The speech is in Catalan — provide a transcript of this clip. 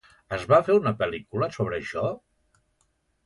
Es va fer una pel·lícula sobre això?